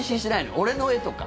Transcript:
俺の絵とか。